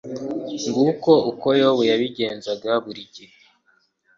nguko uko yobu yabigenzaga buri gihe